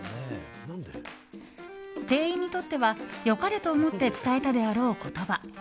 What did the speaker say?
店員にとっては、良かれと思って伝えたであろう言葉。